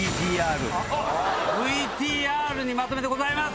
ＶＴＲにまとめてます。